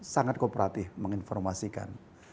sangat kooperatif menginformasikan